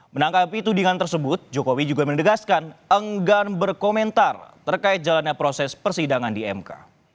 menanggapi tudingan tersebut jokowi juga mendegaskan enggan berkomentar terkait jalannya proses persidangan di mk